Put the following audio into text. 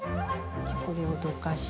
じゃあこれをどかして。